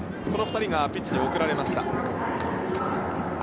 この２人がピッチに送られました。